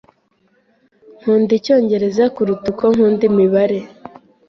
Nkunda icyongereza kuruta uko nkunda imibare. .